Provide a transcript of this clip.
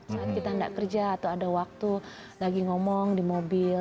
saat kita tidak kerja atau ada waktu lagi ngomong di mobil